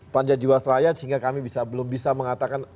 panja jiwasraya sehingga kami belum bisa mengatakan